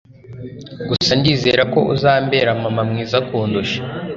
gusa ndizera ko azambera mama mwiza kundusha